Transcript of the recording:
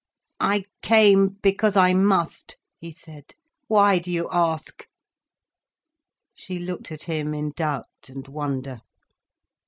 "I came—because I must," he said. "Why do you ask?" She looked at him in doubt and wonder.